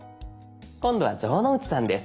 今度は城之内さんです。